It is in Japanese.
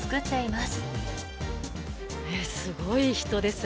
すごい人です。